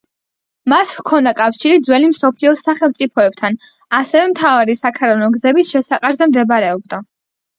მას ჰქონდა კავშირი ძველი მსოფლიოს სახელმწიფოებთან, ასევე მთავარი საქარავნო გზების შესაყარზე მდებარეობდა.